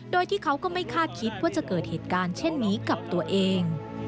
โดยที่เขาก็ไม่คาดคิดว่าจะเกิดเหตุการณ์เช่นนี้กับตัวเอง